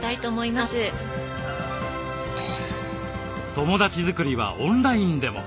友だち作りはオンラインでも。